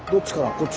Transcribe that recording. こっち。